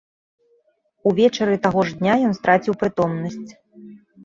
Увечары таго ж дня ён страціў прытомнасць.